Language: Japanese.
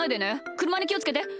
くるまにきをつけて。